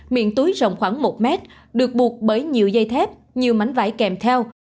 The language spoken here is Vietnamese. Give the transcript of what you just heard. miệng túi rộng khoảng một mét được buộc bởi nhiều dây thép nhiều mảnh vải kèm theo